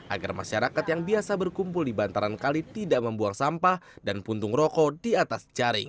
agar masyarakat yang biasa berkumpul di bantaran kali tidak membuang sampah dan puntung rokok di atas jaring